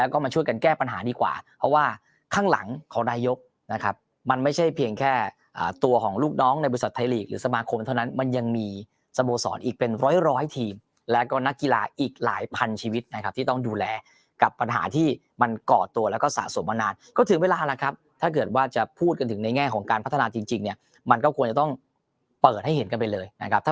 ครับข้างหลังของนายกนะครับมันไม่ใช่เพียงแค่ตัวของลูกน้องในบุรุษฎาไทยหรือสมาคมเท่านั้นมันยังมีสโบสอร์นอีกเป็นร้อยทีมแล้วก็นักกีฬาอีกหลายพันชีวิตนะครับที่ต้องดูแลกับปัญหาที่มันก่อตัวแล้วก็สะสมมานานก็ถึงเวลานะครับถ้าเกิดว่าจะพูดกันถึงในแง่ของการพัฒนา